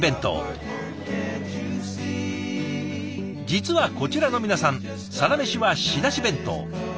実はこちらの皆さんサラメシは仕出し弁当。